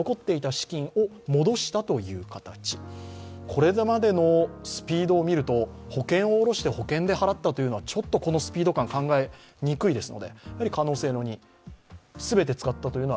これまでのスピードを見ると、保険をおろして保険で払ったというのはちょっとこのスピード感、考えにくいです。